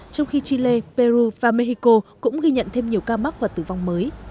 trong khi chile peru và mexico cũng ghi nhận thêm nhiều ca mắc và tử vong mới